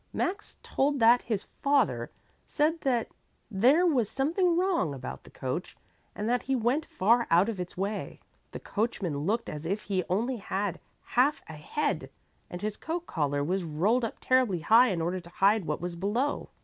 Max told that his father said there was something wrong about the coach and that he went far out of its way. The coachman looked as if he only had half a head, and his coat collar was rolled up terribly high in order to hide what was below.